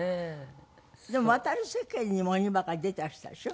でも『渡る世間は鬼ばかり』出てらしたでしょ？